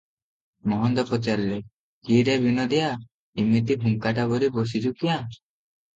ମହନ୍ତ ପଚାରିଲେ, "କି ରେ ବିନୋଦିଆ, ଇମିତି ହୁଙ୍କାଟା ପରି ବସିଛୁ କ୍ୟାଁ?